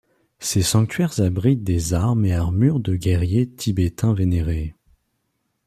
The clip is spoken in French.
Ces sanctuaires abritent des armes et armures de guerriers tibétains vénérés.